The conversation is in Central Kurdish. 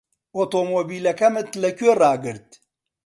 ئۆتۆمۆبیلەکەمت لەکوێ ڕاگرت؟